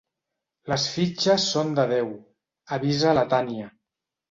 Les fitxes són de deu —avisa la Tània—.